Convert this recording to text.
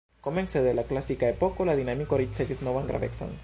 Komence de la klasika epoko la dinamiko ricevis novan gravecon.